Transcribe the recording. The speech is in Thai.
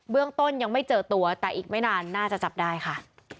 เรื่องต้นยังไม่เจอตัวแต่อีกไม่นานน่าจะจับได้ค่ะ